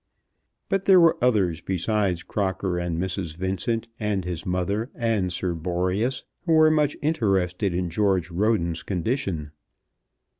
But there were others besides Crocker and Mrs. Vincent, and his mother and Sir Boreas, who were much interested by George Roden's condition.